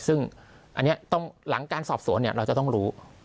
ซึ่งอันนี้ต้องหลังการสอบสวนเราจะต้องรู้